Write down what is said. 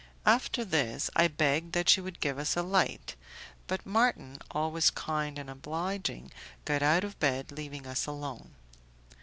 After this, I begged that she would give us a light; but Marton, always kind and obliging, got out of bed leaving us alone.